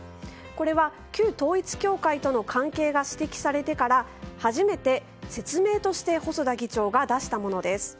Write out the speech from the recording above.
これは旧統一教会との関係が指摘されてから初めて、説明として細田議長が出したものです。